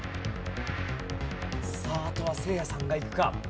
さああとはせいやさんがいくか？